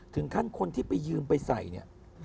ถึงขั้นคนที่ไปยืมไปใส่